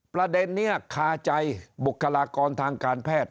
ประเด็นนี้คาใจบุคลากรทางการแพทย์